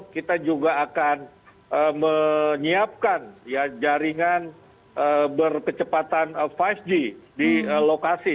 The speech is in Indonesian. kita juga akan menyiapkan jaringan berkecepatan lima g di lokasi